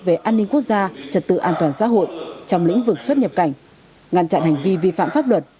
về an ninh quốc gia trật tự an toàn xã hội trong lĩnh vực xuất nhập cảnh ngăn chặn hành vi vi phạm pháp luật